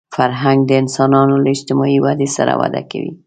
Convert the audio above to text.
فرهنګ د انسانانو له اجتماعي ودې سره وده کوي